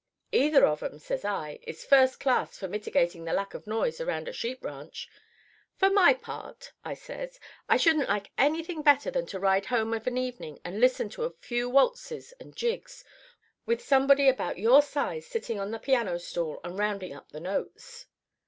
"'Either of 'em,' says I, 'is first class for mitigating the lack of noise around a sheep ranch. For my part,' I says, 'I shouldn't like anything better than to ride home of an evening and listen to a few waltzes and jigs, with somebody about your size sitting on the piano stool and rounding up the notes.